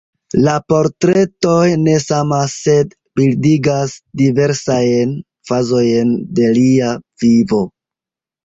La portretoj ne samas, sed bildigas diversajn fazojn de lia vivo.